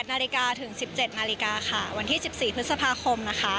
นาฬิกาถึง๑๗นาฬิกาค่ะวันที่๑๔พฤษภาคมนะคะ